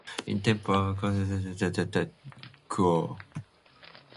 In the Temple of Confucuis his tablet follows that of Nangong Kuo.